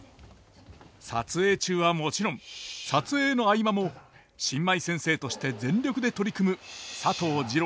撮影中はもちろん撮影の合間も新米先生として全力で取り組む佐藤二朗さんでした。